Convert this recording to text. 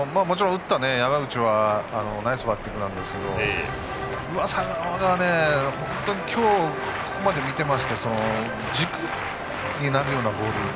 打った山口はナイスバッティングですが上沢が本当に今日ここまで見ていて軸になるようなボールが。